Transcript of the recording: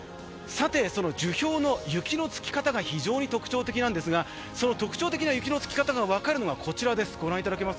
その樹氷の雪の付き方が非常に特徴的なんですがその特徴的な雪の付き方が分かるのはこちらです。